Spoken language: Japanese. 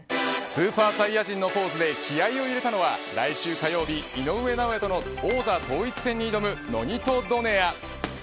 スーパーサイヤ人のポーズで気合を入れたのは来週火曜日、井上尚弥との王座統一戦に挑むノニト・ドネア。